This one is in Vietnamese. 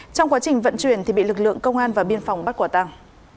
trong quá trình vận chuyển thì bị lực lượng công an và biên phòng bắt quả tăng